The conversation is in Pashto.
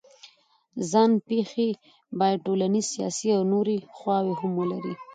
ځان پېښې باید ټولنیز، سیاسي او نورې خواوې هم ولري.